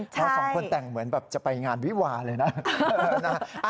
แล้วสองคนแต่งเหมือนจะไปงานวิวาเลยน่ะ